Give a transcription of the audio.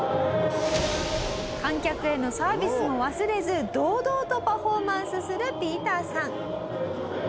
観客へのサービスも忘れず堂々とパフォーマンスするＰＩＥＴＥＲさん。